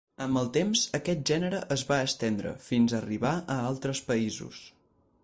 Amb el temps aquest gènere es va estendre, fins a arribar a altres països.